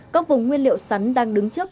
các vùng nguyên liệu sắn đang đứng trước